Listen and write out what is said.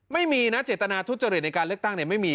ไม่มีนะเจตนาทุจริตในการเลือกตั้งไม่มี